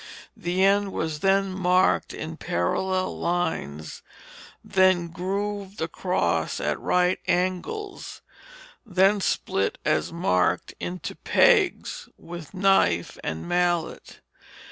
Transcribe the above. The end was then marked in parallel lines, then grooved across at right angles, then split as marked into pegs with knife and mallet.